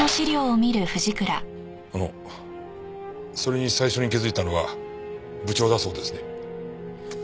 あのそれに最初に気づいたのが部長だそうですね。